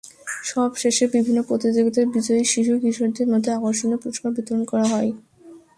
সবশেষে বিভিন্ন প্রতিযোগিতার বিজয়ী শিশু কিশোরদের মধ্যে আকর্ষণীয় পুরস্কার বিতরণ করা হয়।